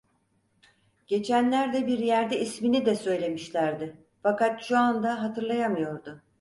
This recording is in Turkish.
Geçenlerde bir yerde ismini de söylemişlerdi, fakat şu anda hatırlayamıyordu.